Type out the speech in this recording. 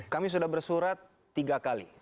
kami sudah bersurat tiga kali